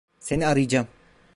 Seni arayacağım.